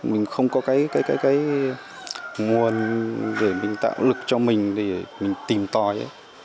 mình không có cái nguồn để mình tạo lực cho mình để mình tìm tòi